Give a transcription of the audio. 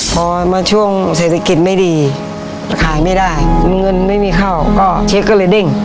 พอมาช่วงเศรษฐกิจไม่ดีขายไม่ได้เงินไม่มีเข้าก็เช็คก็เลยเด้ง